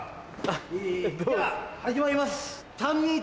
では始まります。